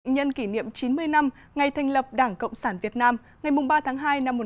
nhân kỷ niệm chín mươi năm ngày thành lập đảng cộng sản việt nam ngày ba tháng hai năm một nghìn chín trăm năm mươi